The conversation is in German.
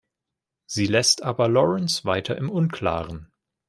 Sie lässt aber Laurence weiter im Unklaren.